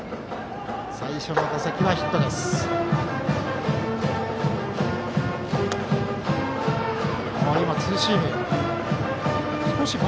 最初の打席はヒットでした。